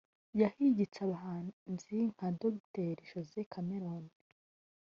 yahigitse abahanzi nka Dr Jose Chameleone